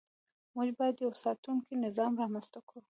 موږ باید یو ساتونکی نظام رامنځته کړو.